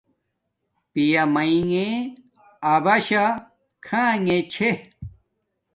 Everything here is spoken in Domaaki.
پیا میݣے اباشا کھانݣے چھے